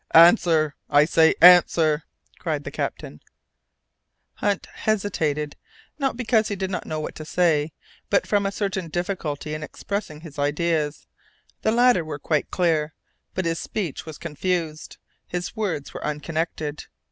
"Answer, I say answer!" cried the captain. Hunt hesitated, not because he did not know what to say, but from a certain difficulty in expressing his ideas. The latter were quite clear, but his speech was confused, his words were unconnected.